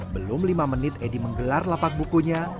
belum lima menit edy menggelar lapak bukunya